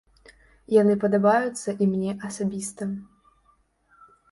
Яны падабаюцца і мне асабіста.